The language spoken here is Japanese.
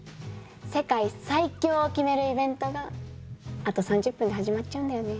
世界最強を決めるイベントがあと３０分で始まっちゃうんだよね。